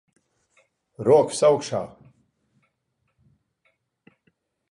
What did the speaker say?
Rokas augšā.